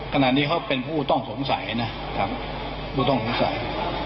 ขณะนี้เขาเป็นผู้ต้องสงสัยนะครับผู้ต้องสงสัย